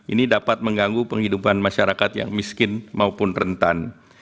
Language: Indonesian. ini dapat mengganggu penghidupan masyarakat yang miskin maupun rentan